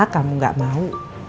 kamu gak mau